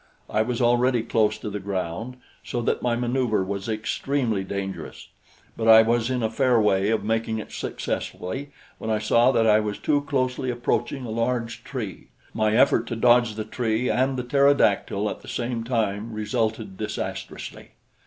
I was already close to the ground, so that my maneuver was extremely dangerous; but I was in a fair way of making it successfully when I saw that I was too closely approaching a large tree. My effort to dodge the tree and the pterodactyl at the same time resulted disastrously.